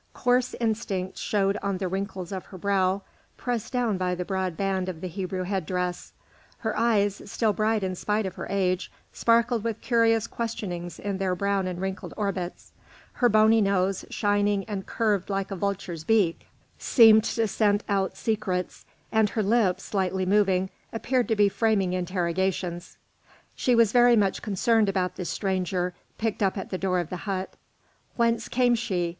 Coarse instincts showed in the wrinkles of her brow, pressed down by the broad band of the Hebrew head dress; her eyes, still bright in spite of her age, sparkled with curious questionings in their brown and wrinkled orbits; her bony nose, shining and curved like a vulture's beak, seemed to scent out secrets; and her lips, slightly moving, appeared to be framing interrogations. She was very much concerned about this stranger picked up at the door of the hut. Whence came she?